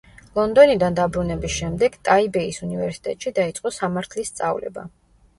ლონდონიდან დაბრუნების შემდეგ ტაიბეის უნივერსიტეტში დაიწყო სამართლის სწავლება.